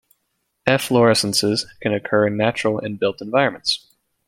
Efflorescences can occur in natural and built environments.